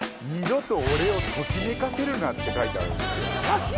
「二度と俺をときめかせるな」って書いてあるんですよ。